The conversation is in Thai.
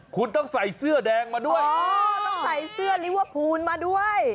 คุณต้องใส่เสื้อแดงมาด้วยอ๋อต้องใส่เสื้อลิเวอร์พูลมาด้วย